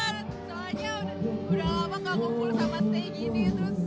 soalnya udah lama gak kumpul sama stay gini terus